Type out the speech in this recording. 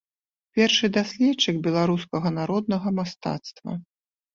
Першы даследчык беларускага народнага мастацтва.